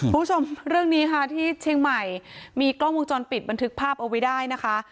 คุณผู้ชมเรื่องนี้ค่ะที่เชียงใหม่มีกล้องวงจรปิดบันทึกภาพเอาไว้ได้นะคะ